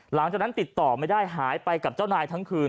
หลังจากนั้นติดต่อไม่ได้หายไปกับเจ้านายทั้งคืน